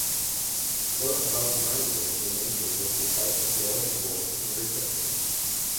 For about nine years the mansion was the site of lavish balls and receptions.